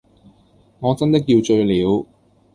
我真的要醉了！